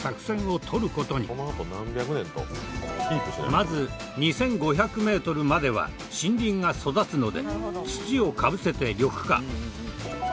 まず２５００メートルまでは森林が育つので土をかぶせて緑化。